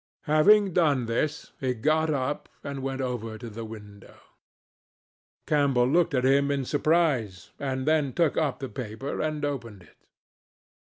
Having done this, he got up and went over to the window. Campbell looked at him in surprise, and then took up the paper, and opened it.